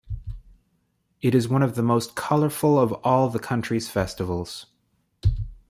It is one of the most colourful of all the country's festivals.